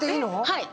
はい。